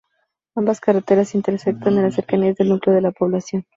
Ambas carreteras intersecan en las cercanías del núcleo de población.